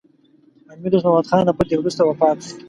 امیر دوست محمد خان له فتحې وروسته وفات شو.